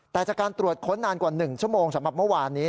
แต่จากการตรวจค้นนานกว่า๑ชั่วโมงสำหรับเมื่อวานนี้